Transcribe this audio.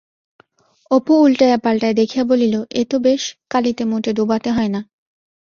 অপু উলটাইয়া-পালটাইয়া দেখিয়া বলিল, এ তো বেশ, কালিতে মোটে ডোবাতে হয় না!